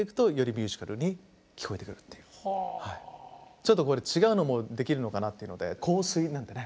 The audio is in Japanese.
ちょっとこれ違うのもできるのかなっていうので「香水」なんてね。